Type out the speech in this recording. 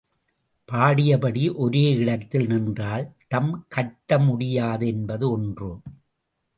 பாடியபடி ஒரே இடத்தில் நின்றால், தம் கட்ட முடியாது என்பது ஒன்று.